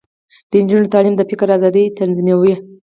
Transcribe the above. د نجونو تعلیم د فکر ازادي تضمینوي.